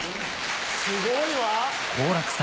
すごいわ！